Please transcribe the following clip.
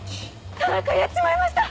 田中やっちまいました！